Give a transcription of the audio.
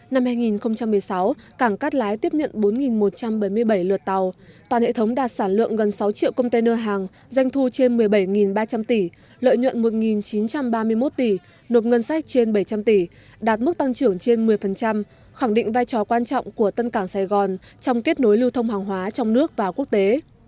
năm hai nghìn một mươi sáu cảng cát lái tiếp nhận bốn một trăm bảy mươi bảy lượt tàu toàn hệ thống đạt sản lượng gần sáu triệu container hàng doanh thu trên một mươi bảy ba trăm linh tỷ lợi nhuận một chín trăm ba mươi một tỷ nộp ngân sách trên bảy trăm linh tỷ đạt mức tăng trưởng trên một mươi khẳng định vai trò quan trọng của tân cảng sài gòn trong kết nối lưu thông hàng hóa trong nước và quốc tế